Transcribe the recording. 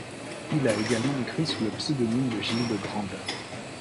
Il a également écrit sous le pseudonyme de Gilles de Grandin.